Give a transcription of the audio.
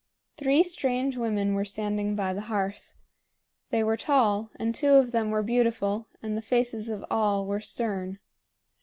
Three strange women were standing by the hearth. They were tall, and two of them were beautiful, and the faces of all were stern.